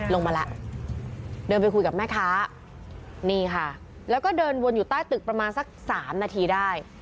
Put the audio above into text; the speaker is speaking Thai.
ลงมาแล้วเดินไปคุยกับแม่ค้านี่ค่ะแล้วก็เดินวนอยู่ใต้ตึกประมาณสักสามนาทีได้